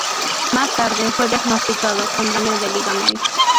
Más tarde fue diagnosticado con daño de ligamento.